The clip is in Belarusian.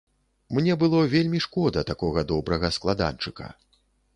Мне было вельмі шкода такога добрага складанчыка.